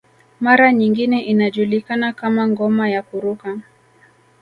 Mara nyingine inajulikana kama ngoma ya kuruka